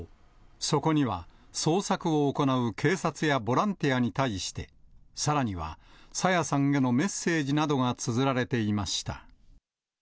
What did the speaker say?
そこには捜索を行う警察やボランティアに対して、さらには朝芽さんへのメッセージなどがつづられていました。